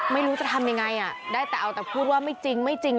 ไม่รู้จะทำยังไงได้แต่เอาแต่พูดว่าไม่จริงไม่จริง